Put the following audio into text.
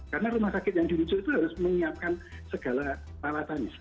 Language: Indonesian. karena rumah sakit yang dirujuk itu harus menyiapkan segala alat alat